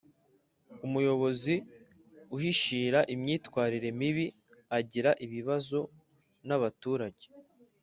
Umuyobozi uhishira imyitwarire mibi agira ibibazo n’abaturage